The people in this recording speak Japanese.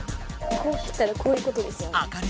こう来たらこういうことですよね。